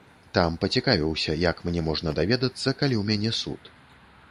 Там пацікавіўся, як мне можна даведацца, калі ў мяне суд?